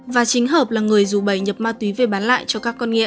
và chính hợp là người dù bảy nhập ma túy về bán lại cho các con nghiện